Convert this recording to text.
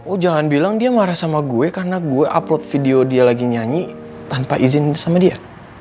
oh jangan bilang dia marah sama gue karena gue upload video dia lagi nyanyi tanpa izin sama dia